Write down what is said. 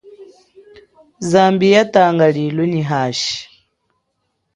Zambi yatanga lilo nyi hashi.